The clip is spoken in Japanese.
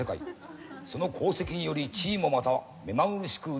その功績により地位もまた目まぐるしく移り動く。